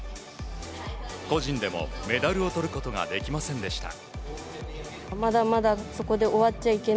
個人でもメダルをとることができませんでした。